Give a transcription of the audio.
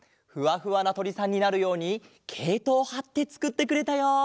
ふわふわなとりさんになるようにけいとをはってつくってくれたよ。